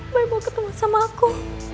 boy mau ketemu sama aku